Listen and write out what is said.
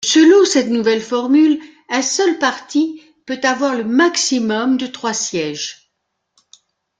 Selon cette nouvelle formule, un seul parti peut avoir le maximum de trois sièges.